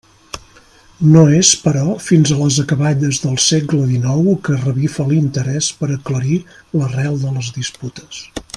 No és, però, fins a les acaballes del segle dinou que revifa l'interès per aclarir l'arrel de les disputes.